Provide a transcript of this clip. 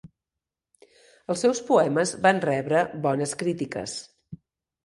Els seus poemes van rebre bones crítiques.